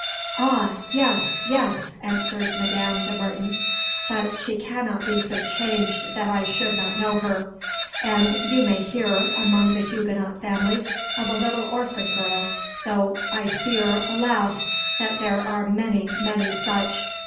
"Ah, yes yes!" answered Madame de Mertens; "but she cannot be so changed that I should not know her; and you may hear, among the Huguenot families, of a little orphan girl, though, I fear, alas! that there are many, many such.